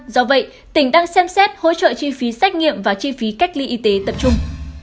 do vậy tỉnh đang xem xét hỗ trợ chi phí xét nghiệm và chi phí cách ly y tế tập trung